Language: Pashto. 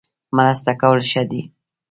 مرسته کول ښه دي